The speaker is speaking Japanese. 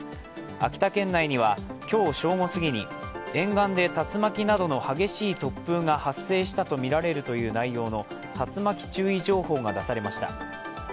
秋田県内には今日正午すぎに沿岸で竜巻などの激しい突風が発生したとみられるという内容の竜巻注意情報が出されました。